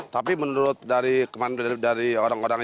tapi menurut dari orang orang yang